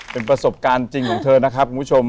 เป็นประสบการณ์จริงของเธอนะครับคุณผู้ชม